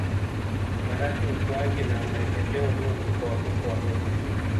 Maradhi ukuaji na maendeleo duni kwa watoto wadogo